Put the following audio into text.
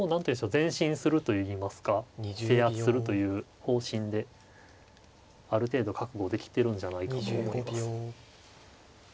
前進するといいますか制圧するという方針である程度覚悟できてるんじゃないかと思います。